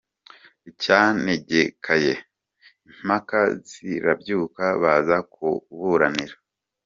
icyanegekaye. Impaka zirabyuka baza kuburanira